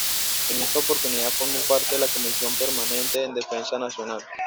En esta oportunidad formó parte de la comisión permanente de Defensa Nacional.